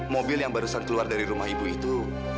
mobil yang baru saja keluar dari rumah ibu itu